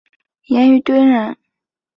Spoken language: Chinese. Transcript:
严虞敦人。